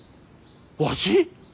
わし？